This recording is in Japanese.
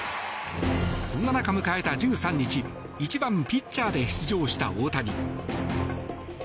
そんな中迎えた１３日１番ピッチャーで出場した大谷。